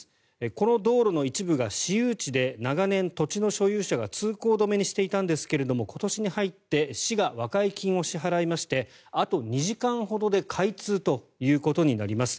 この道路の一部が私有地で長年、土地の所有者が通行止めにしていたんですが今年に入って市が和解金を支払いましてあと２時間ほどで開通となります。